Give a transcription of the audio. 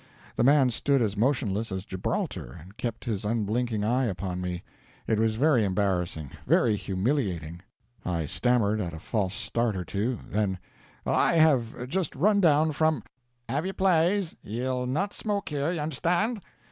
The man stood as motionless as Gibraltar, and kept his unblinking eye upon me. It was very embarrassing, very humiliating. I stammered at a false start or two; then "I have just run down from " "Av ye plaze, ye'll not smoke here, ye understand."